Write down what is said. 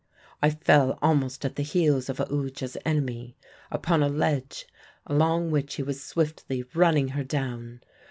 "I fell almost at the heels of Aoodya's enemy, upon a ledge along which he was swiftly running her down.